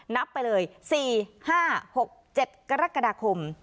นับไปเลย๔๕๖๗กรกฎาคม